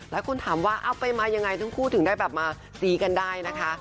หลายคนถามว่าเอาไปมายังไงทั้งคู่ถึงได้แบบมาซี้กันได้นะคะ